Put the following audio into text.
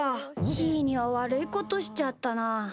ひーには、わるいことしちゃったな。